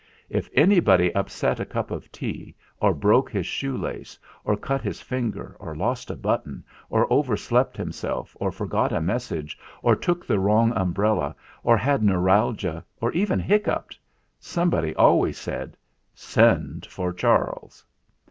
If anybody upset a cup of tea, or broke his shoe lace, or cut his finger, or lost a button, or overslept himself, or forgot a message, or took the wrong um brella, or had neuralgia, or even hiccoughed, somebody always said, "Send for Charles!"